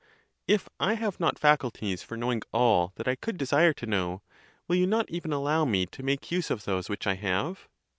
If I have not faculties for knowing all that I could desire to know, will you not even allow me to make use of those which I have?